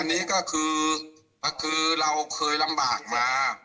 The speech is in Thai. อันนี้ก็คือเราเคยลำบากมา